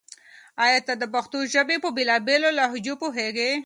آیا ته د پښتو ژبې په بېلا بېلو لهجو پوهېږې؟